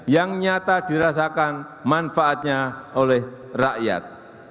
yang nyata dirasakan manfaatnya oleh rakyat